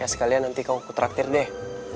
sekalian nanti kau kutraktir deh